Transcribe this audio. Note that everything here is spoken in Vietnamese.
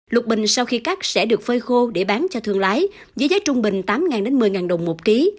lục bình sau khi cắt sẽ được phơi khô để bán cho thương lái với giá trung bình tám một mươi đồng một ký